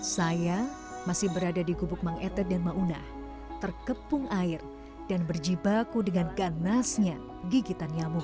saya masih berada di gubuk mang etet dan mauna terkepung air dan berjibaku dengan ganasnya gigitan nyamuk